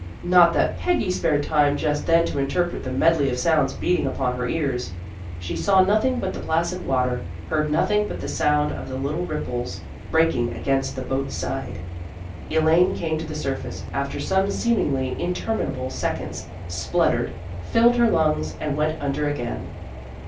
" Not that Peggy spared tune just then to interpret the medley of sounds beating upon her ears. She saw nothing but the placid water, heard nothing but the sound of the little ripples breaking against the boat's side. Elaine came to the surface, after some seemingly interminable seconds, spluttered, filled her lungs and went under again.